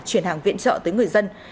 chuyển hàng viện trọ tới người dân